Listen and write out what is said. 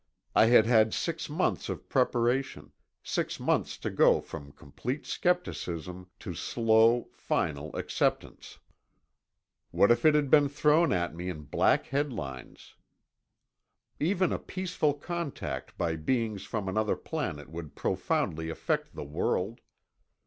I had had six months of preparation, six months to go from complete skepticism to slow, final acceptance. What if it had been thrown at me in black headlines? Even a peaceful contact by beings from another planet would profoundly affect the world.